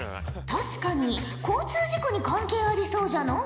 確かに交通事故に関係ありそうじゃのう。